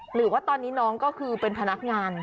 หรือว่าตอนนี้น้องก็คือเป็นพนักงาน